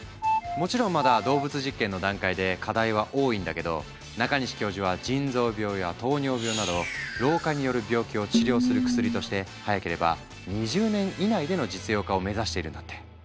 もちろんまだ動物実験の段階で課題は多いんだけど中西教授は腎臓病や糖尿病など老化による病気を治療する薬として早ければ２０年以内での実用化を目指しているんだって。